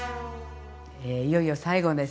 いよいよ最後です。